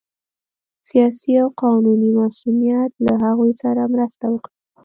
سیاسي او قانوني مصونیت له هغوی سره مرسته وکړه